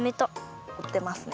こおってますね。